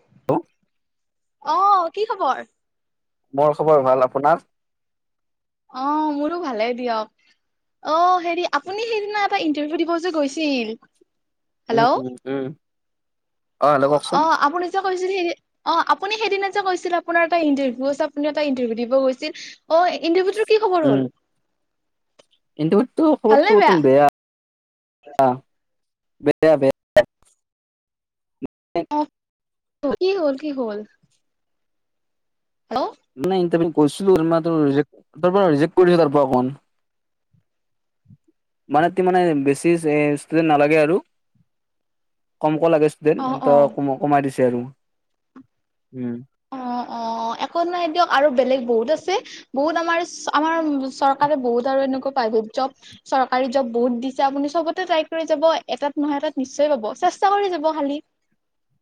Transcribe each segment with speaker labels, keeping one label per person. Speaker 1: [unintelligible]
Speaker 2: অ' কি খবৰ।
Speaker 1: মোৰ খবৰ ভাল, আপোনাৰ।
Speaker 2: অ' মোৰো ভালেই দিয়ক। অ' হেৰি আপুনি সেইদিনা এটা ইণ্টাৰভিউ দিব যে গৈছিল
Speaker 1: উম
Speaker 2: হেল্ল'
Speaker 1: উম- উম। অ হেল্ল' কওকচোন।
Speaker 2: অ' আপুনি যে কৈছিল সেই, অ' আপুনি সেইদিনা যে কৈছিল আপোনাৰ এটা ইণ্টাৰভিউ আছে, আপুনি এটা ইণ্টাৰভিউ দিব গৈছিল, অ' ইন্টাৰভিউটোৰ কি খবৰ হ'ল।
Speaker 1: ইণ্টাৰভিউটো
Speaker 2: ভাল নে
Speaker 1: খবৰটো টোন বেয়া আ। বেয়া-বেয়া।
Speaker 2: অঁ, কি হ'ল- কি হ'ল। হেল্ল'
Speaker 1: নাই ইণ্টাৰভিউ গৈছিলোঁ যেনিবা তোৰ ৰিজেক্ত, তাৰ পৰা ৰিজেক্ট কৰিলে তাৰ পৰা [unintelligible] মানে কি মানে বেছি ষ্টুডেন্ট নালাগে আৰু, কম ক লাগে
Speaker 2: অ
Speaker 1: ষ্টুডেন্ট,
Speaker 2: অ
Speaker 1: এইটো কমাই দিছে আৰু। উম।
Speaker 2: অ' অ'একো নাই দিয়ক আৰু বেলেগ বহুত আছে বহুত আমাৰ আমাৰ চৰকাৰে বহুত আৰু এনেকুৱা প্ৰাইভেট যব চৰকাৰী জব বহুত দিচে আপুনি চবতে ট্ৰাই কৰি যাব, এটাত নহয় এটাত নিশ্চয় পাব, চেছ স্তা কৰি যাব খালি।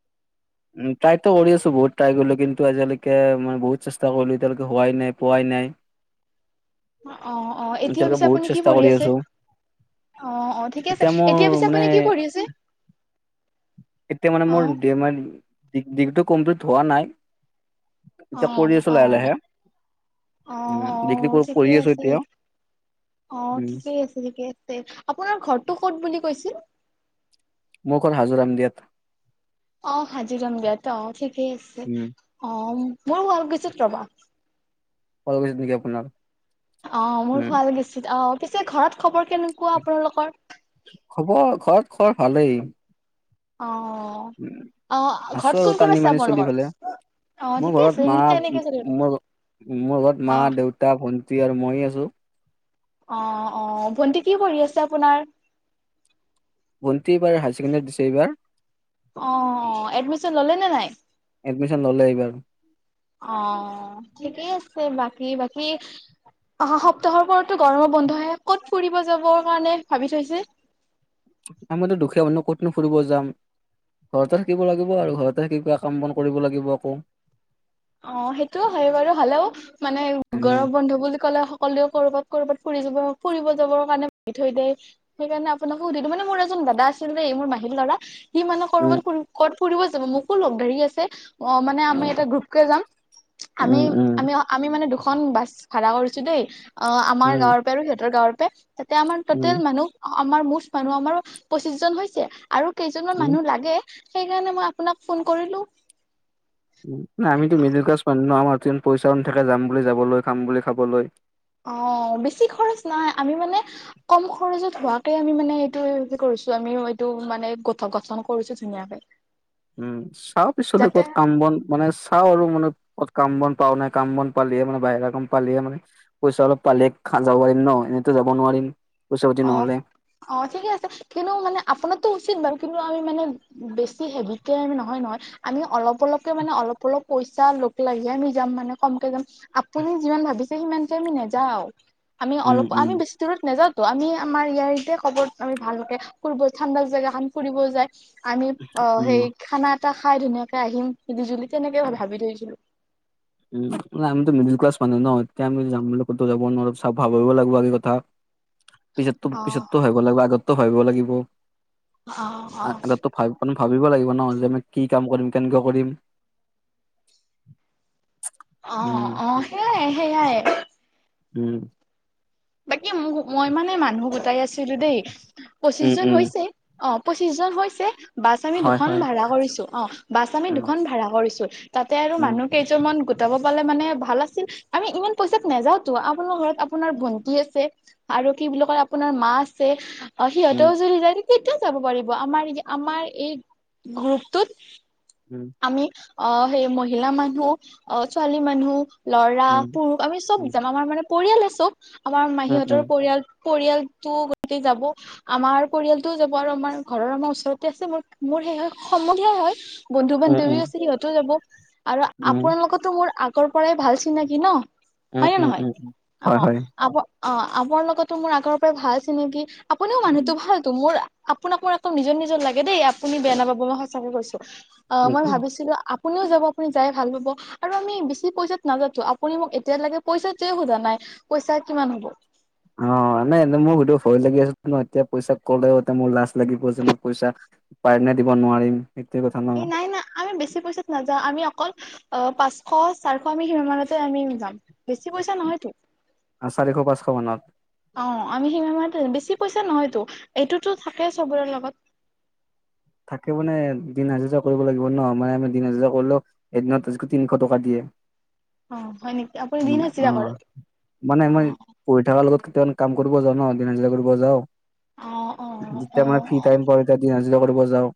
Speaker 1: [inaudible] উম ট্ৰাই তো কৰি আছো বহুত ট্ৰাই কৰিলো কিন্তু আজিলৈকে মই বহুত চেষ্টা কৰিলো এতিয়ালৈকে হোৱাই নাই, পোৱাই নাই।
Speaker 2: অ' অ' এতিয়া
Speaker 1: এতিয়ালৈকে
Speaker 2: পিছে
Speaker 1: বহুত
Speaker 2: আপুনি কি
Speaker 1: চেষ্টা
Speaker 2: পঢ়ি
Speaker 1: কৰি
Speaker 2: আছে।
Speaker 1: আছো
Speaker 2: অ' অ' ঠিকে আছে,
Speaker 1: মোৰ
Speaker 2: এতিয়া পিছে
Speaker 1: মানে
Speaker 2: আপুনি কি পঢ়ি আছে।
Speaker 1: এতিয়া মানে
Speaker 2: অ
Speaker 1: মোৰ [unintelligible] ডিগ্ৰীটো কমপ্লিট হোৱা নাই।
Speaker 2: অ
Speaker 1: এতিয়া কৰি আছো
Speaker 2: অ
Speaker 1: লাহে-লাহে,
Speaker 2: অ
Speaker 1: উম
Speaker 2: অ
Speaker 1: ডিগ্ৰী
Speaker 2: ঠিকে
Speaker 1: পঢ়ি আছো
Speaker 2: আছে
Speaker 1: এতিয়া।
Speaker 2: অ'
Speaker 1: উম,
Speaker 2: ঠিকেই আছে- ঠিকেই আছে, আপোনাৰ ঘৰটো ক'ত বুলি কৈছিল?
Speaker 1: মোৰ ঘৰ হাজো ৰামদিয়াত।
Speaker 2: অ' হাজোৰাম দিয়াত, অ' ঠিকেই আছে
Speaker 1: উম,
Speaker 2: অ'। মোৰ শুৱালকুছিত ৰ'বা।
Speaker 1: শুৱালকুছিত নিকি আপোনাৰ।
Speaker 2: অ' মোৰ
Speaker 1: উম,
Speaker 2: শুৱালকুছিত অঁ, পিছে ঘৰত খবৰ কি
Speaker 1: খবৰ ঘৰত খৰ ভালেই।
Speaker 2: অ
Speaker 1: উম,
Speaker 2: আহ
Speaker 1: আছো
Speaker 2: ঘৰত
Speaker 1: আৰু
Speaker 2: কোন কোন
Speaker 1: টানি
Speaker 2: আছে
Speaker 1: মানি চলি
Speaker 2: আপমনালোকৰ
Speaker 1: পেলাই,
Speaker 2: অ
Speaker 1: মোৰ
Speaker 2: ঠিকয়া
Speaker 1: ঘৰত
Speaker 2: আছে
Speaker 1: মা
Speaker 2: সিতে এনেকে চ
Speaker 1: মোৰ মোৰ ঘৰত মা দেউতা ভন্টি আৰু মই আছো।
Speaker 2: অ অ ভণ্টি কি কৰি আছে আপোনাৰ?
Speaker 1: ভণ্টি এইবাৰ হায়াৰ ছেকেণ্ডোৰী দিছে এইবাৰ
Speaker 2: অ এডমিশ্যন ললে নে নাই
Speaker 1: এডমিশ্যন ল'লে এইবাৰ।
Speaker 2: অ ঠিকেই আছে বাকী বাকী। অহা সপ্তাহৰ পৰাৰতো গৰমৰ বন্ধহে ক'ত ফুৰিব যাব কাৰণে ভাবি থৈছে
Speaker 1: আমাৰো দুখীয়া মানুহ ক'তনো ফুৰিব যাম। ঘৰতে থাকিব লাগিব আৰু ঘৰতে থাকি কা কাম বন কৰিব লাগিব আকৌ
Speaker 2: অ সেইটোও হয় বাৰু হ'লেও মানে
Speaker 1: উম,
Speaker 2: গৰম বন্ধু বুলি কলে সকললেও কৰবাত কৰ'বাত ফুৰি যাব। ফুৰিব যাবৰ কাৰণে থৈ দ সেইকাৰণে আপোনাকো সুধিলো মানে মোৰ এজন দাদা আছিল দেই মোৰ মাহীৰ ল'ৰা। সি মানে
Speaker 1: উম,
Speaker 2: কৰবাত ক'ত ফুৰিব যাব মোকো লগ ধাৰি আছে অ মানে আমাৰ
Speaker 1: উম,
Speaker 2: এটা গ্ৰুপ যাম আমি
Speaker 1: উম, উম,
Speaker 2: আমি আমি মানে দুখন বাছ ভা়ড়া কৰিছো দেই। অ আমাৰ
Speaker 1: উম,
Speaker 2: গাঁৱৰ পৰা আৰু সিহতৰ গাঁৱৰ পৰা তাতে আমাৰ
Speaker 1: উম,
Speaker 2: টটেল মানুহ আমাৰ মুচ মানুহ আমাৰো পঁচিশ জন হৈছে আৰু কেইজনমান
Speaker 1: উম।
Speaker 2: মানুহ লাগে। সেইকাৰণে মই আপোনাক ফোন কৰিলো।
Speaker 1: ন আমিতো মিডিল ক্লাছ মান ন আমাৰ পইচাও নাথাকে যাম বুলি যাবলৈ খাম বুলি খাবলৈ
Speaker 2: অ বেছি খৰচ নাই আমি মানে কম খৰচত হোৱাকে আমি মানে এইটো কৰিছো। ছ আমিও এইটো মানে গোথ গঠন কৰিছো ধুনীয়াকে
Speaker 1: উম চাও পিছত
Speaker 2: যাতে
Speaker 1: ক'ত কাম বন মানে চাওঁ আৰু মানে। ক'ত কাম বন পাও নাই কাম বন পালিয়হে মানে বাহিৰা কাম পালিয়ে মানে পইচা অলপ পালিয়ে খ যাব পাৰিম ন এ যাব নোৱাৰিম। পইচা পাতি
Speaker 2: অ
Speaker 1: নহলে
Speaker 2: অ ঠিকে আছে কিন্তু মানে আপোনাৰটো উচিত বাৰু কিন্তু আমি মানে বেছি হেভিকে আমি নহয় নহয় আমি অলপ অলপকে মানে অলপ অলপ পইচা লগ লাগে আমি যাম মানে কমকে যাম আপুনি যিমান ভাবিছে সিমানকে আমি নাযাওঁ আওঁ- আমি
Speaker 1: উম
Speaker 2: অলপ
Speaker 1: উম
Speaker 2: আমি বেছি দূৰত নাযাওঁ। ত' আমি আমাৰ ইয়াৰতে ক'ব আমি ভালকে ফুৰিব ঠাণ্ডা জেগা খান ফুৰিব যায়। আমি অ
Speaker 1: উম
Speaker 2: সেই খানাত চা খাই ধুনীয়াকে আহিম মিলি জুলি তেনেকে মই ভাবি থৈছিলো।
Speaker 1: উ ন আমিতো মিডিল ক্লাছ মানুহ ন এতিয়া আমি যাম বুলি ক'তও যাব নোৱাৰো চব ভাবিব লাগিব চব কথা পিছতো
Speaker 2: অ
Speaker 1: পিছতটো ভিব লাগিব আগতো ভাবিব লাগিব।
Speaker 2: অ অ।
Speaker 1: আগতো ভাব মানে ভাবিব লাগিব ন যে মই কি কাম কৰিম কেনেকে কৰিম
Speaker 2: অ
Speaker 1: উম
Speaker 2: অ সেইয়াই সেইয়াই
Speaker 1: উম
Speaker 2: বাকী মোৰ মই মানে মানুহ গোটাই আছিলো দেই পঁচিশ
Speaker 1: উম
Speaker 2: জন
Speaker 1: উম
Speaker 2: হৈছে অ পঁচিশ জন হৈছে বাছ আমি
Speaker 1: হয়
Speaker 2: দুখন
Speaker 1: হয়
Speaker 2: ভাড়া কৰিছো অ বাছ আমি
Speaker 1: উম
Speaker 2: দুখন ভাড়া কৰিছো। তাতে আৰু মানুহ কেইজনমান গোটাব পালে মানে ভাল আছিল আমি ইমান পইচাত নাযাওতো আপোনাৰ ঘৰত আপোনাৰ ভন্টি কি আছে আৰু কি বুলি কয় আপোনাৰ মা আছে অ সিহঁতেও যদি জাই তেতিয়া যাব পাৰিব আমাৰ আমাৰ এই গ্ৰুপটোত আমি অ সেই মহিলা মানুহ অ ছোৱালী মানুহ ল'ৰা পুৰুষ আমি চব যাম আমাৰ মানে। পৰিয়ালেই চব আমাৰ মাহীহঁতৰ পৰিয়াল পৰিয়ালটো গতে যাব আমাৰ পৰিয়ালটোও যাব আৰু আমাৰ ঘৰৰ আমাৰ ওচৰতে আছে ম মোৰ। সমনিয়াই হয় বন্ধু বান্ধৱী আছে সিহঁতও যাব। আৰু আপোনালোকতো মোৰ আগৰ পৰাই ভাল চিনাকি ন হয় নে নহয়
Speaker 1: হয়, হয়।
Speaker 2: অ। আপ আপোনাৰ লগতো মোৰ আগৰ পৰাই ভাল চিনাকি আপুনিও
Speaker 1: উ,
Speaker 2: মানুহতটো ভালো মোৰ। আপোনাক মোৰ একো নিজৰ নিজৰ লাগে দেই আপুনি বেয়া নাপাব মই সঁচাকে কৈছো আহ
Speaker 1: উ,
Speaker 2: মই
Speaker 1: উ।
Speaker 2: ভাবিছিলো। কোনেও যাব আপুনি যাই ভাল পাব আৰু আমি বেছি পইচাত নাজাতো আপুনি মোক এতিয় লাগে পইচা টোৱে সোধা নাই। পইচা কিমান হ'ব।
Speaker 1: অ নাই মোৰ সেইটো ভয় লাগি আছে এতিয়া পইচা কলেও মোৰ লাজ লাগিব যে মোৰ পইচা। পাৰিম নে দিব নোৱাৰিম। সেইটোৱে কথা ন।
Speaker 2: এই নাই নাই আমি বেছি। পইচাত নাযাওঁ আমি অকল অ পাঁচশ চাৰিশ আমি সিমানতে আমি যাম। বেছি পইচা নহয়তো
Speaker 1: আৰু চাৰিশ-পাঁচশ মানত
Speaker 2: অ। আমি সিম মাহ বেছি পইচা নহয়তো এইটোতো থাকে চবৰেৰ লগত।
Speaker 1: থাকে মানে দিন হাজাৰ কৰিব লাগিব ন মানে আমি দিন হাজাৰ কৰিলেও এদিনত তিনিশ চাৰিশ টকা দিয়ে।
Speaker 2: অ হয় নেকি আপুনি দিন
Speaker 1: মানে অ
Speaker 2: হাজিৰা কৰে
Speaker 1: মানে মই
Speaker 2: অ
Speaker 1: পঢ়ি থকাৰ লগত। কাম কৰিব যাওঁ ন দিন হাজিৰা কৰিব যাওঁ
Speaker 2: অ', অ',
Speaker 1: যেতিয়া মানে ফ্ৰী
Speaker 2: অ',
Speaker 1: টাইম পাও তেতিয়ান কৰিব যাও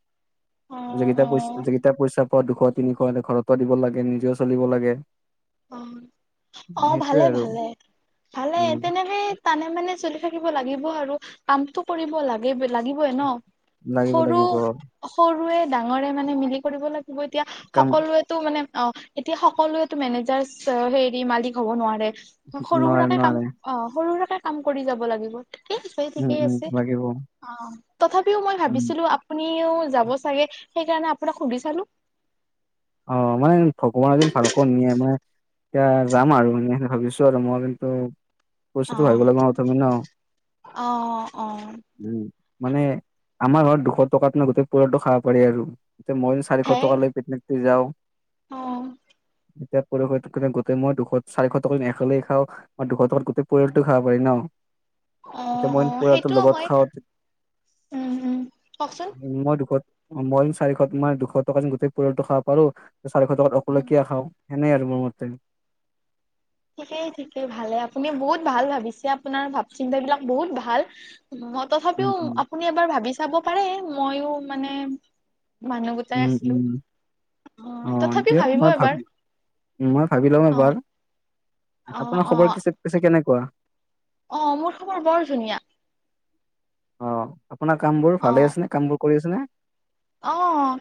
Speaker 1: যি কেতা
Speaker 2: অ',
Speaker 1: যি পইচা। দুশ তিনিশ এ ঘৰতো দিব লাগে নিজেও চলিব লাগে।
Speaker 2: অ অ ভালে
Speaker 1: সেইটোয়ে আৰু
Speaker 2: ভালে ভালে
Speaker 1: উম
Speaker 2: তেনেকে টানে মানে চল। থাকিব লাগিব আৰু কামতটো কৰিব লাগে লাগিবইে ন।
Speaker 1: লাগিব
Speaker 2: সৰু
Speaker 1: লাগিব
Speaker 2: সৰুৱে ডাঙ মানে মিলি কৰিব লাগিব এতিয়া
Speaker 1: কাম
Speaker 2: সকলোৱেতো মানে অ এতিয়া সকলোৱো মেনেজ। হেৰি মালিক হ'ব নোৱাৰে সৰু
Speaker 1: নোৱাৰে
Speaker 2: সুৰাকে কাম
Speaker 1: নোৱাৰে
Speaker 2: অ সৰু সু। এটা কাম কৰি যাব লাগিব। কি
Speaker 1: উম
Speaker 2: ঠিকেই
Speaker 1: উম
Speaker 2: আছে
Speaker 1: লাগিব
Speaker 2: অ তথাপিও মই
Speaker 1: উম
Speaker 2: ভাবিছিলো আপুনি। আও যাব চাগে সেইকাৰণে আপোনাক সুধি চালো।
Speaker 1: অ মানে ভগৱানৰ এদিন চালক নিয়ে মানে। এতিয়া যাম আৰু এনে ভাবিছো আৰু মই কিন্তু। পছটো ভাইব
Speaker 2: অ'।
Speaker 1: লাগিব ন
Speaker 2: অ', অ'।
Speaker 1: উম। মানে আমাৰ ঘৰত দুশ টকাত নে গোটেই পৰিয়ালটো খাব পাৰি আৰু এতিয়া মই চাৰিশ টকা লৈ পিকনিকটো যাওঁ।
Speaker 2: অহ
Speaker 1: এতিয়া পৰি গোটেই মই দুশ চাৰিশ টকাত একলগ খাওঁ আৰু দুশ টকাত গোটেই পৰিয়ালটো খাব পাৰি ন। এতিয়া
Speaker 2: অ',
Speaker 1: মইন
Speaker 2: অ',
Speaker 1: পৰিয়ালটো
Speaker 2: সেইটোও
Speaker 1: লগত
Speaker 2: হয়,
Speaker 1: খাও
Speaker 2: উম, উম, কওকচোন।
Speaker 1: উ মই দুখত অ মই চাৰিশ মানে দুশ টকা যেন গোটেই পৰিয়ালটো খাব পাৰো চাৰিশ টকাত অকললেকে
Speaker 2: উম,
Speaker 1: কিয় খাওঁ। সেনেই আৰু মোৰ মতে।
Speaker 2: ঠিকেই ঠিকেই ভালে আপুনি বহুত ভাল ভাবিছে আপোনাৰ ভাব চিন্তাবলাক বহুত ভাল। ম তথাপিও
Speaker 1: উম উম
Speaker 2: আপুনি এবাৰ ভাবি চাব পাৰে মইয়ো মানে। মানুহ গোটাই
Speaker 1: উম
Speaker 2: আছিলো।
Speaker 1: উম অ দিয়ক মই ভাব মই ভাবি লম
Speaker 2: অ',
Speaker 1: এবাৰ।
Speaker 2: অ',
Speaker 1: আপোনাৰ
Speaker 2: অ'।
Speaker 1: খবৰছে পিছে কেনেকুৱা।
Speaker 2: অ মোৰ খবৰ বৰ ধুনীয়া।
Speaker 1: অ আপোনাৰ কাম বোৰ ভালে
Speaker 2: অ'।
Speaker 1: আছেনে কাম বোৰ কৰি আছেনে।
Speaker 2: অ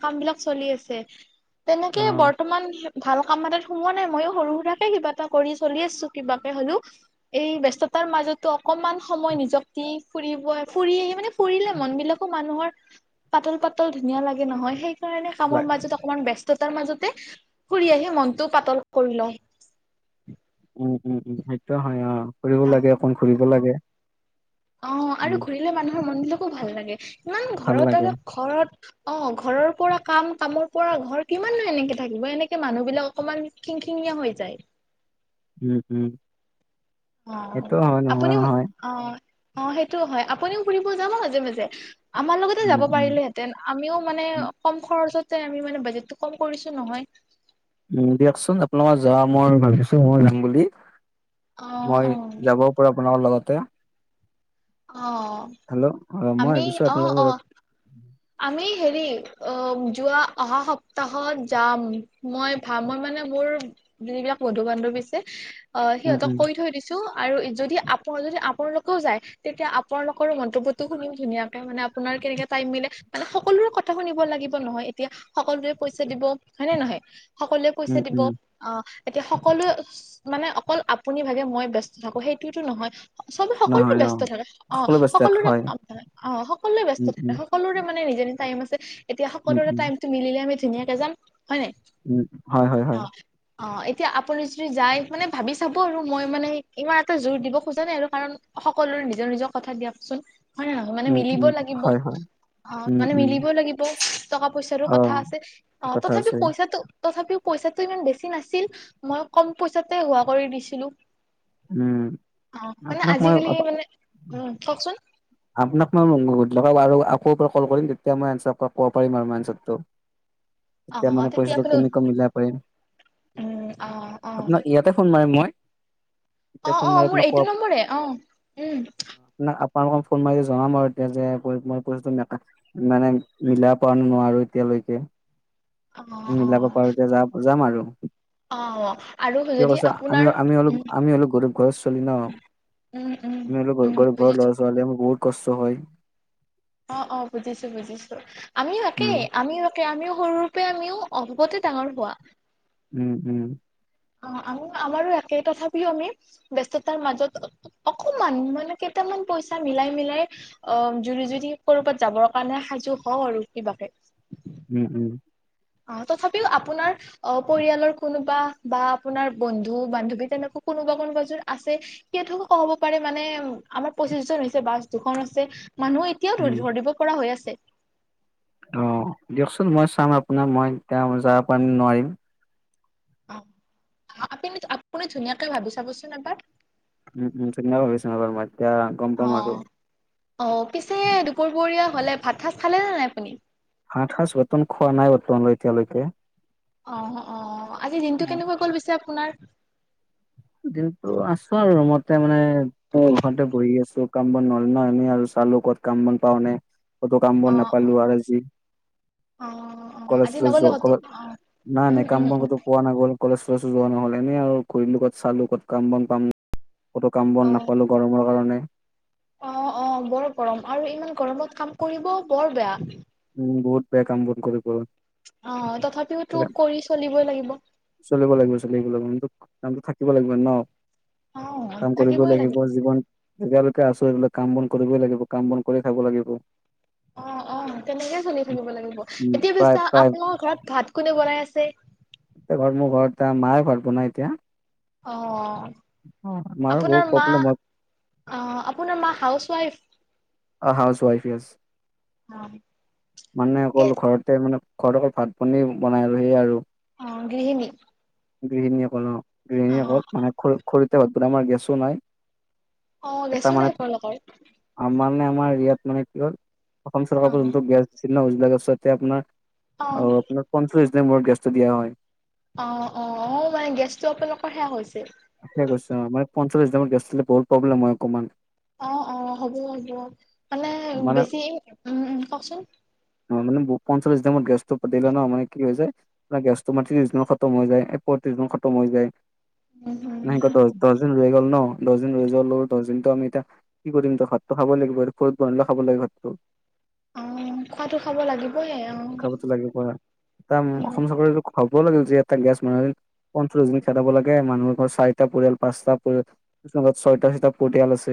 Speaker 2: কাম বিলাক চলি আছে তেনেকে
Speaker 1: অ
Speaker 2: বৰ্তমান ভাল কাম এটাত সোমোৱা। মইয়ো সৰু সুৰাকে কিবা এটা কৰি চলি আছো কিবাকে হলেও এই ব ব্যস্ততাৰ মাজতো অকনমান। সময় নিজ দি ফুৰিব ফুৰি আহি মানে ফুৰিলে মন বিলাকো মানুহৰ পাতল পাত। ধুনীয়া লাগে নহয় সেই কাৰণে কামৰ
Speaker 1: লাই
Speaker 2: মাজত অকণমান ব্যস্ত। তাৰ মাজতে ফুৰি আহি মনটো পাতল কৰি লয়।
Speaker 1: উম উম উম সেইটোয় হয় অ কৰিব লাগে অকণ ঘুৰিব লাগে।
Speaker 2: অ আৰু
Speaker 1: উম
Speaker 2: ঘূৰিলে মানুহৰ মনবিলাকো ভাল লাগে ইমান
Speaker 1: ভাল
Speaker 2: ঘৰত
Speaker 1: লাগে
Speaker 2: অলপ ঘৰত। অ ঘৰৰ পৰা কাম কামৰ পৰা ঘৰ কিমানন এনেকে থাকিব এনেকে মানুহ বিলাক অকমান থিংকিং। হৈ যায়।
Speaker 1: উম উম।
Speaker 2: অ
Speaker 1: সেইটো হয় নহয়
Speaker 2: আপুনি
Speaker 1: নহয়
Speaker 2: অ। অ সেইটো হয় আপুনিও ফুৰিব যাও মাজে মাজে আমাৰ লগতে
Speaker 1: উম
Speaker 2: যাব
Speaker 1: উম
Speaker 2: পাৰিলেহেঁতেন আমিও মানে কম খৰচত- আমি মানে বাজেটটো কম কৰিছো নহয়।
Speaker 1: উ দিয়কচোন আপোনাৰ ম যোৱা মই ভাবিছো মই যাম বুলি।
Speaker 2: অ',
Speaker 1: মই
Speaker 2: অ',
Speaker 1: যাবও পৰা আপোনাৰ লগতে।
Speaker 2: অ',
Speaker 1: হেল্ল' অ মই
Speaker 2: আমি
Speaker 1: ভাবিছো
Speaker 2: অ',
Speaker 1: আপোনালোকৰ
Speaker 2: অ',
Speaker 1: লগত
Speaker 2: আমি হেৰি অ যোৱা অহা সপ্তাহত যাম মই ভ মই মানে মোৰ যিবিলাক বন্ধু বান্ধৱীছে অ
Speaker 1: উম
Speaker 2: সিহঁতক
Speaker 1: উম
Speaker 2: কৈ থৈ দিছো। আৰু যদি আপ যদি আপোনালোকেও যায় তেতিয়া আপোনালোকৰো মন্তব্যটো শুনি ধুনীয়াকে মানে আপোনাৰ কেগ টাইম মিলে, মানে সকলোৰে কথা শুনিব লাগিব নহয় এতিয়া সকলোৰে পইচা দিব হয়ে নে নহয় সকলোৱে পইচা
Speaker 1: উম
Speaker 2: দিব
Speaker 1: উম
Speaker 2: অ এতিয়া সকলোৱ মানে অকল আপুনি ভাগে মই বস্ত থাকো সেইটোয়ো নহয়। চবে সকলোৰে
Speaker 1: নহয় অ
Speaker 2: ব্যস্ত থাকে অ
Speaker 1: সকলো ব্যস্ত
Speaker 2: সকলোৰে
Speaker 1: হয়
Speaker 2: কামাক অ সকলোৱে ব্যস্ত
Speaker 1: উম
Speaker 2: থাকে
Speaker 1: উম
Speaker 2: সকলোৰে। মানে নিজে নি টাইম আছে এতিয়া
Speaker 1: উম
Speaker 2: সকলোৰে টাইমটো মিলে আমি ধুনীয়াকে যাম। হয় নাই
Speaker 1: উ হয় হয়
Speaker 2: অ
Speaker 1: হয়।
Speaker 2: অ এতিয়া আপুনি যদি যায় মানে ভাবি চাব আৰু মই মানে ইমান এটা জোৰ দিব খোজা নাই আৰু কাৰণ সকলোৰে নিজৰ নিজৰ কথা দিয়কচোন হয় নহয় মানে
Speaker 1: উম
Speaker 2: মিলিব
Speaker 1: উম
Speaker 2: লাগিব
Speaker 1: হয় হয়
Speaker 2: অ
Speaker 1: উম
Speaker 2: মানে
Speaker 1: উম
Speaker 2: মিলিব লাগিব টকা পইচাৰো
Speaker 1: অ
Speaker 2: কথা আছে অ
Speaker 1: কথা
Speaker 2: তথাপি
Speaker 1: আছে
Speaker 2: পইচা টো তথাপিও পইচাটো ইমান বেছি নাছিল মই কম পইচাতে হোৱা কৰি দিছিলো,
Speaker 1: উম
Speaker 2: অ মানে
Speaker 1: আপোনাক মই
Speaker 2: আজিকালি মানে উ কওকচোন।
Speaker 1: আপোনাক মই মংগ কৰি লগাব আৰু আকৌ পৰা কল কৰিম তেতিয়া মই আনচাৰ ক'ব পাৰিম আৰু মই আনচাৰটো তেতিয়া
Speaker 2: অ
Speaker 1: মানে
Speaker 2: তেতিয়া
Speaker 1: পইচাটো
Speaker 2: আপুনি
Speaker 1: কেনেকৈ মিলাব পাৰিম।
Speaker 2: উম অ অ
Speaker 1: আপোনাক ইয়াতে ফোন মাৰিম মই তেতিয়া
Speaker 2: অ
Speaker 1: ফোন
Speaker 2: অ
Speaker 1: মাৰি
Speaker 2: মোৰ
Speaker 1: আপোনাক ক'ব
Speaker 2: এইটো নম্বৰে অ উম
Speaker 1: আালোক ফোন মাৰ জনাম আৰু এতিয়া যে মই পইতটো মানে মিলা পোৱা ন নোৱাৰো এতিয়
Speaker 2: অ',
Speaker 1: মিলাব পাৰো এতিয়া যাম যাম আৰু
Speaker 2: অ আৰু
Speaker 1: কিয়
Speaker 2: যদি
Speaker 1: কৈছো আমি
Speaker 2: আপোনাৰ
Speaker 1: আমি হলো
Speaker 2: উ
Speaker 1: আমি হ'লেও গৰুৰ ঘৰ ছোৱলি ন
Speaker 2: উম, উম,
Speaker 1: আমি হলেও
Speaker 2: উম,
Speaker 1: ঘৰু ঘৰ
Speaker 2: বুজিছোঁ
Speaker 1: ল'ৰা ছোৱালী আমি বহুত কষ্ট হয়
Speaker 2: অ অ বুজিছো বুজিছো আমিও একে
Speaker 1: উম
Speaker 2: আমিও একে আমিও সৰুৰূপে আমিও অভাৱতে ডাঙৰ হোৱা
Speaker 1: উম উম
Speaker 2: অ আমি আমাৰো একে তথাপিও আমি ব্যস্ততাৰ মাজত অকমান মানে কেইতি অকমান পইচা মিলাই মিলাই অ জুৰি যুদি কৰ'বাত যাবৰ কাৰণে সাজু হওঁ আৰু কিবাকে
Speaker 1: উম উম
Speaker 2: অ তথাপিও আপোনাৰ অ পৰিয়ালৰ কোনোবা বা আপোনাৰ বন্ধু বান্ধৱী তেনেক কোনোবা কোনোবাযোৰ আছে সেই হ'ব পাৰে মানে আমাৰ পঁচিশ জন হৈছে বাচ দুখন আছে মানুহ এতিয়াও
Speaker 1: উম
Speaker 2: ধৰিব পৰা হৈ আছে
Speaker 1: অ দিয়কচোন মই চাম আপোনাৰ মই এতিয়া যাব নোৱাৰিম
Speaker 2: অ আপুনি আপুনি ধুনীয়াকে ভাবি চাবচোন এবাৰ
Speaker 1: উম উম ভাবিচাম তেতিয়া গম পাম আৰু
Speaker 2: অ পিছে দুপৰবৰীয়া হলে ভাত সাজ খালে নে নাই আপুনি
Speaker 1: ভাত সাজ বৰ্তমান খোৱা নাই বৰ্তমানলৈ এতিয়ালৈকে
Speaker 2: অ অ আজি দিনটো
Speaker 1: অ
Speaker 2: কেনেকুৱা গ'ল পিছে আপোনাৰ
Speaker 1: দিনটো আছো আৰু ৰুমতে মানে
Speaker 2: অ
Speaker 1: ঘৰতে বহি আছো কাম বন নহ'লে এনেই আৰু চালো কত কাম বন পাও নাই কতো
Speaker 2: অ
Speaker 1: কামবন নাপালো আৰু যি
Speaker 2: অ
Speaker 1: কলেজ
Speaker 2: আজি নগলে ক'তো অ
Speaker 1: নাই
Speaker 2: উম
Speaker 1: নাই কাম
Speaker 2: উম
Speaker 1: বন
Speaker 2: উম
Speaker 1: কতো পোৱা নগ'ল কলেজ চলেজো যোৱা নহল এনে আৰু ঘূৰিলো ক'ত চালো ক'ত কাম বন পাম। ক'তো কাম
Speaker 2: অ
Speaker 1: বন নাপালো গৰমৰ কাৰণে।
Speaker 2: অ অ বৰ গৰম আৰু ইমান গৰমত কাম কৰিব বৰ বেয়া।
Speaker 1: উম বহুত বেয়া কাম বন কৰিব।
Speaker 2: অ তথাপিওতো কৰি চলিবই লাগিব
Speaker 1: চলিব লাগিব চলিব লাগিব কিন্তু। কামতটো থাকিব লাগিব ন
Speaker 2: অ
Speaker 1: কাম কৰিব লাগিব জীৱন। এতিয়ালৈকে আছো এইবিলাক কাম বন কৰিবই লাগিব কাম বন কৰিয়ে খাব লাগিব।
Speaker 2: অঁ অঁ। তেনেকে চলি থাকিব লাগিব
Speaker 1: উম
Speaker 2: এতিয়া
Speaker 1: প্ৰায়
Speaker 2: পিছে
Speaker 1: প্ৰায়
Speaker 2: আপোনাৰ ঘৰত ভাত কোনে বনাই আছে।
Speaker 1: এ ঘৰত মোৰ ঘৰত এ মায়ে ঘৰত বনাই এতিয়া।
Speaker 2: অ
Speaker 1: অ, আমাৰো বহুত
Speaker 2: আপোনাৰ মা
Speaker 1: প্ৰব্লেম হয়
Speaker 2: অ আপোনাৰ মা হাউচ। ৱাইফ।
Speaker 1: অ হাউচ ৱাইফ য়েছ
Speaker 2: অ
Speaker 1: মানে
Speaker 2: কে
Speaker 1: অকল ঘৰতে মানে। ঘৰত ভাত পানি বনাই আৰু সেয়াই আৰু।
Speaker 2: অ গৃহিণী।
Speaker 1: গৃহিণীসকল অ
Speaker 2: অ
Speaker 1: গৃহিণীসকল মানে খ খৰিতে ভাত বনাই আমাৰ গেছো নাই।
Speaker 2: অ
Speaker 1: এটা
Speaker 2: গেছো
Speaker 1: মানে
Speaker 2: নাই আপোনালোকৰ।
Speaker 1: মানে আমাৰ ইয়াত মানে কি হ'ল অসম
Speaker 2: অ
Speaker 1: চৰকাৰৰ পৰা গেছ চিলিণ্ডাৰ উজলা গছতে আপোনাৰ। অ আপোনাক পঞ্চলিছ দিনৰ মূৰত গেছটো দিয়া হয়।
Speaker 2: অ অ অ মানে গেছ টো আপোনালোকৰ সেয়া হৈছে।
Speaker 1: সঁচাকৈ কৈছোঁ মানে পঞ্চলিছ দিন মানত গেছটো দিলে বহুত প্ৰব্লেম হয় অকণমান।
Speaker 2: অ অ হ'ব হ'ব মানে
Speaker 1: মানে
Speaker 2: বেছি উম কওকচোন।
Speaker 1: মানে পঞ্চলিছ দিনত গেছটো দিলে ন মানে কি হৈ যায় মানে গেছটো মানে ত্ৰিছ দিনত খতম হৈ যায়। খতম হৈ যায়।
Speaker 2: উম উম
Speaker 1: নাই ক'ত দহ দহ দিন। ৰৈ গ'ল ন দহ দিন ৰৈ যোৱা লগত দহ দিনতটো আমি এতিয়া কি কৰিম ভাটটো খাব লাগিব ঘৰত বনালে খাব লাগিব ভাতটো।
Speaker 2: অঁ খোৱাটো খাব লাগিবই অ।
Speaker 1: এটা
Speaker 2: উম
Speaker 1: অসম চৰকাৰেটো খাব লাগে যে এক টাইম গেছ নাই পঞ্চজনী খেদাব লাগে মানুহ। চাৰিটা পৰিয়াল, পাঁচটা পৰিয়ালত, ছয়টা ছটা পৰিয়াল আছে।